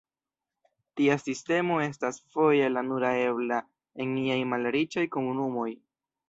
Tia sistemo estas foje la nura ebla en iaj malriĉaj komunumoj.